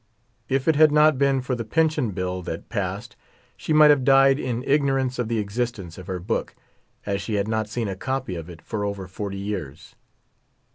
If it had not been for the pension bill that passed, she might have died in ignorance of the existence of her book, as she had not seen a copy of it for over forty years.